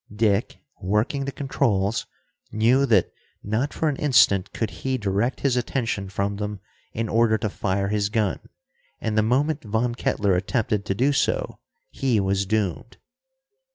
Dick, working the controls, knew that not for an instant could he direct his attention from them in order to fire his gun, and the moment Von Kettler attempted to do so, he was doomed.